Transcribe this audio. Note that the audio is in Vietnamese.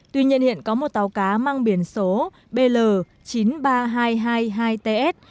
tuy nhiên hiện có một tàu cá mang biển số bl chín mươi ba nghìn hai trăm hai mươi hai ts